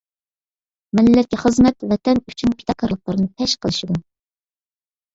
مىللەتكە خىزمەت، ۋەتەن ئۈچۈن پىداكارلىقلىرىنى پەش قىلىشىدۇ.